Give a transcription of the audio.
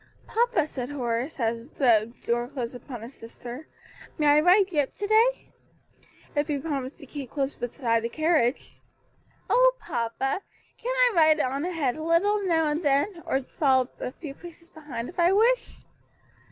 "Papa," said Horace, as the door closed upon his sister, "may I ride Gip to day?" "If you promise me to keep close beside the carriage." "Oh, papa, can't I ride on ahead a little, now and then, or fall a few paces behind if I wish?"